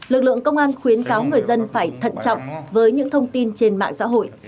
lực lượng công an khuyến cáo người dân phải thận trọng với những thông tin trên mạng xã hội